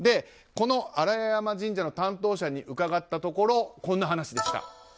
この新屋山神社の担当者に伺ったところこんな話でした。